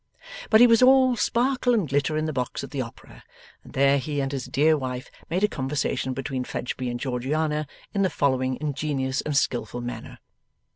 But he was all sparkle and glitter in the box at the Opera, and there he and his dear wife made a conversation between Fledgeby and Georgiana in the following ingenious and skilful manner.